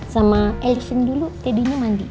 sama ellison dulu teddynya mandi